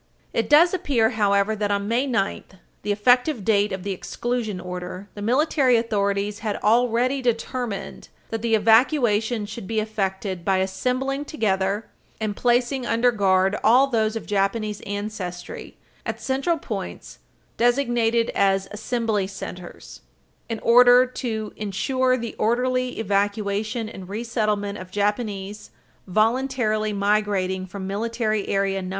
It does appear, however, that, on May 9, the effective date of the exclusion order, the military authorities had Page 323 U. S. 221 already determined that the evacuation should be effected by assembling together and placing under guard all those of Japanese ancestry at central points, designated as "assembly centers," in order "to insure the orderly evacuation and resettlement of Japanese voluntarily migrating from Military Area No.